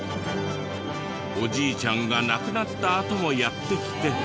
おじいちゃんが亡くなったあともやって来て。